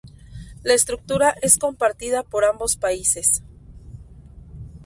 La estructura es compartida por ambos países.